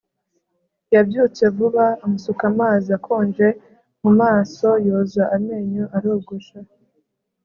Yabyutse vuba amusuka amazi akonje mu maso yoza amenyo arogosha